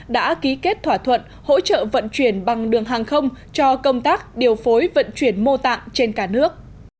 đã ký kết thỏa thuận hỗ trợ vận chuyển bằng đường hàng không cho công tác điều phối vận chuyển mô tạng trên cả nước